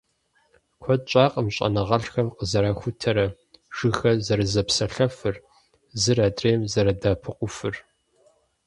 Куэд щӀакъым щӀэныгъэлӀхэм къызэрахутэрэ - жыгхэр «зэрызэпсалъэфыр», зыр адрейм зэрыдэӀэпыкъуфыр.